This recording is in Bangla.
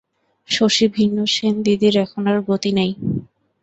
শশী ভিন্ন সেনদিদির এখন আর গতি নাই।